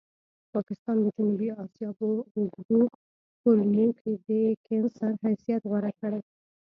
پاکستان د جنوبي اسیا په اوږدو کولمو کې د کېنسر حیثیت غوره کړی.